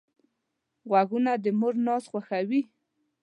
غوږونه د مور ناز خوښوي